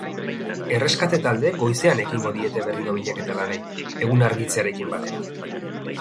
Erreskate taldeek goizean ekingo diete berriro bilaketa lanei, eguna argitzearekin batera.